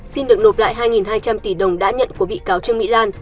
xin được nộp lại hai hai trăm linh tỷ đồng đã nhận của bị cáo trương mỹ lan